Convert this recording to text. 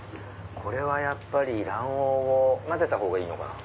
これはやっぱり卵黄を混ぜたほうがいいのかな？